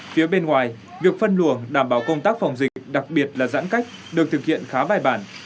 phía bên ngoài việc phân luồng đảm bảo công tác phòng dịch đặc biệt là giãn cách được thực hiện khá bài bản